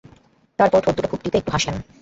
তার পরে ঠোঁটদুটো খুব টিপে একটু হাসলেন।